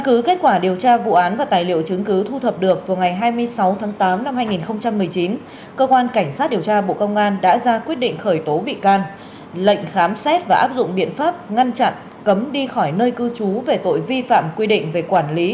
cơ quan cảnh sát điều tra bộ công an đang tiến hành điều tra bộ thông tin và truyền thông và một số đơn vị có liên quan